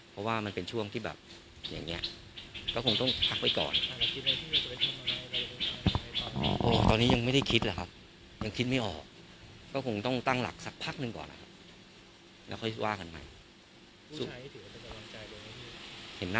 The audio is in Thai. เพราะว่ามันเป็นช่วงที่แบบอย่างเนี้ย